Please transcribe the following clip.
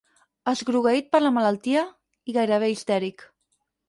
Esgrogueït per la malaltia, i gairebé histèric.